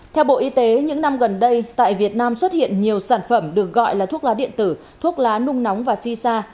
theo bộ y tế những năm gần đây tại việt nam xuất hiện nhiều sản phẩm được gọi là thuốc lá điện tử thuốc lá nung nóng và si sa